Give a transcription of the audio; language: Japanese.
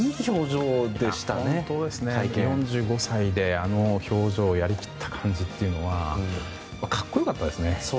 ４５歳で、あの表情やり切った感じというのは格好良かったですね。